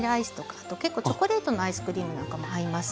あと結構チョコレートのアイスクリームなんかも合います。